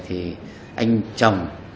thì anh chồng